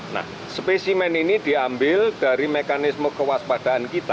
nah spesimen ini diambil dari mekanisme kewaspadaan kita